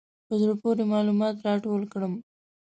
په زړه پورې معلومات راټول کړم.